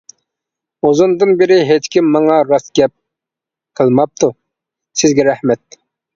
ئۇزۇندىن بېرى ھېچكىم ماڭا راست گەپ قىلماپتۇ، سىزگە رەھمەت.